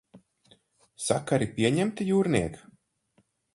Sakari pieņemti, jūrniek?